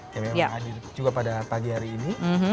yang memang hadir juga pada pagi hari ini